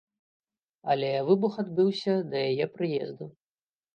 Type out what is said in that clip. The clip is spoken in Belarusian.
Але выбух адбыўся да яе прыезду.